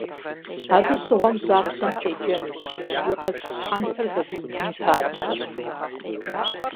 - Абы щыгъуэм жьапщэм седжэнущ, уи къауц щхьэнтэр зэгуиудын папщӀэ.